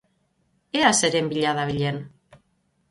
Ea zeren bila dabilen.